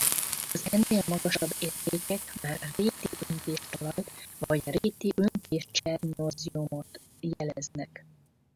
Az ennél magasabb értékek már réti öntéstalajt vagy réti öntéscsernozjomot jeleznek.